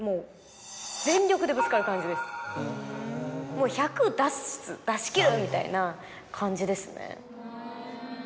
もう１００出す出し切るみたいな感じですね。